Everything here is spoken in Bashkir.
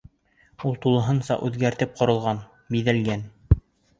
Ул тулыһынса үҙгәртеп ҡоролған, биҙәлгән.